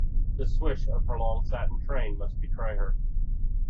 The swish of her long satin train must betray her.